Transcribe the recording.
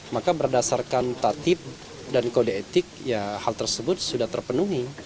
maka berdasarkan tatib dan kode etik ya hal tersebut sudah terpenuhi